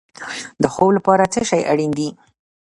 د خوب لپاره څه شی اړین دی؟